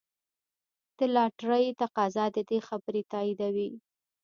د لاټرۍ تقاضا د دې خبرې تاییدوي.